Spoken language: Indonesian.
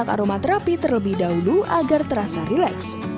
minyak aroma terapi terlebih dahulu agar terasa rileks